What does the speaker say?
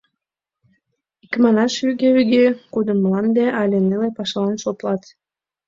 Икманаш, вӱге-вӱге, кудым мланде але неле пашалан шотлат.